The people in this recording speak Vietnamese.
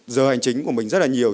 giờ hành chính của mình rất là nhiều